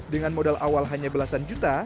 dengan modal awal hanya belasan juta